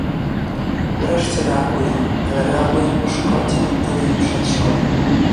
Wreszcie reagują, ale reagują po szkodzie, a nie przed szkodą